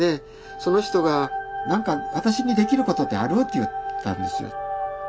その人が「何か私にできることってある？」って言ったんですよ。